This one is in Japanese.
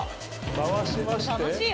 回しまして。